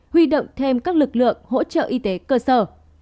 huy động thêm các lực lượng hỗ trợ y tế cơ sở